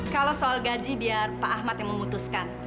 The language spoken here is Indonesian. kalau soal gaji biar pak ahmad yang memutuskan